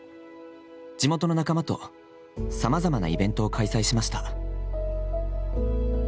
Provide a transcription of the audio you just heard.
地元の仲間とさまざまなイベントを開催しました。